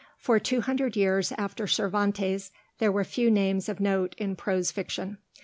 For two hundred years after Cervantes there are few names of note in prose fiction.